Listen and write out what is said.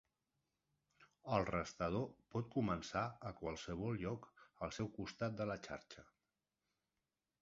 El restador pot començar a qualsevol lloc al seu costat de la xarxa.